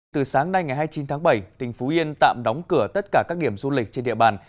từ sáng nay ngày hai mươi chín tháng bảy tỉnh phú yên tạm đóng cửa tất cả các điểm du lịch trên địa bàn